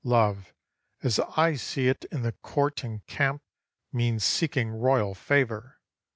Love, as I see it in the court and camp, Means seeking royal favour.